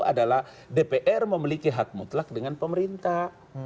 adalah dpr memiliki hak mutlak dengan pemerintah